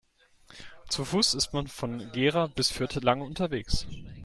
Zu Fuß ist man von Gera bis Fürth lange unterwegs